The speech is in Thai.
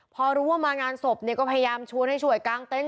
พอรู้ว่ามางานศพเนี่ยก็พยายามชวนให้ช่วยกางเต็นต